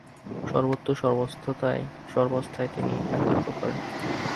সর্বত্র সর্বাবস্থায় তিনি একই প্রকার।